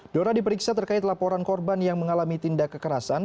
dora diperiksa terkait laporan korban yang mengalami tindak kekerasan